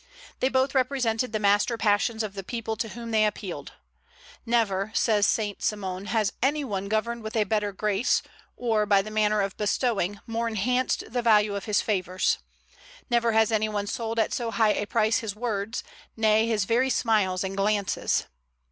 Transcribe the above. They both represented the master passions of the people to whom they appealed. "Never," says St. Simon, "has any one governed with a better grace, or, by the manner of bestowing, more enhanced the value of his favors. Never has any one sold at so high a price his words, nay his very smiles and glances."